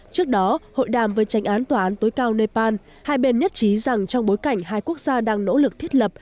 trước đó hội đàm với tranh án tòa án tối cao nepal hai bên nhất trí rằng trong bối cảnh hai quốc gia đang nỗ lực thiết lập